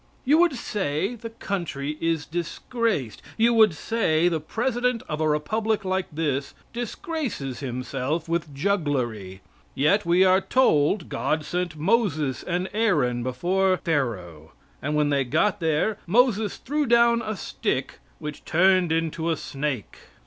You would say the country is disgraced. You would say the president of a republic like this disgraces himself with jugglery. Yet we are told God sent Moses and Aaron before Pharaoh, and when they got there Moses threw down a stick which turned into a snake.